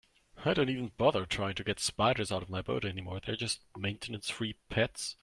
I don't even bother trying to get spiders out of my boat anymore, they're just maintenance-free pets.